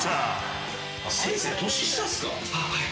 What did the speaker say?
はい。